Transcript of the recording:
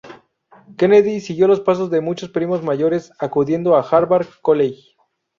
Kennedy siguió los pasos de muchos primos mayores acudiendo a Harvard College.